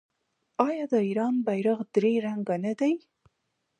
آیا د ایران بیرغ درې رنګه نه دی؟